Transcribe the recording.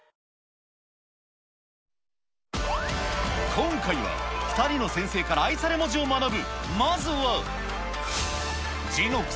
今回は、２人の先生から愛され文字を学ぶ。